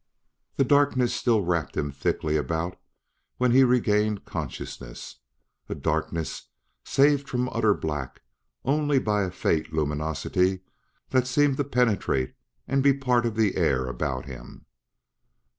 That darkness still wrapped him thickly about when he regained consciousness a darkness saved from utter black only by a faint luminosity that seemed to penetrate and be part of the air about him.